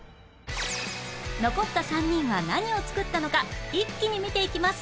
残った３人は何を作ったのか一気に見ていきます